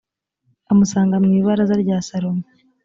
amusanga mu ibaraza rya salomo